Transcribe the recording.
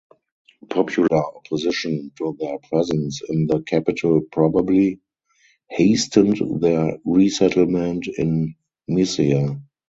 Popular opposition to their presence in the capital probably hastened their resettlement in Mysia.